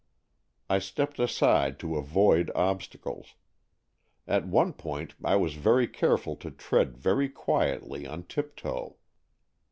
I stepped aside to avoid obstacles. At one point I was very careful to tread very quietly on tiptoe.